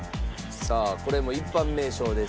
さあこれも一般名称です。